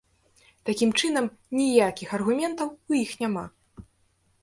Такім чынам, ніякіх аргументаў у іх няма.